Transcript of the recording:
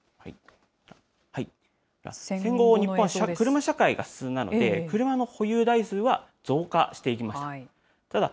戦後日本は車社会が進んだので、車の保有台数は増加していきました。